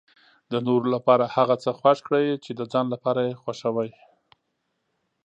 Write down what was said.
د نورو لپاره هغه څه خوښ کړئ چې د ځان لپاره یې خوښوي.